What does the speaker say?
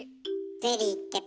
ゼリーってそう！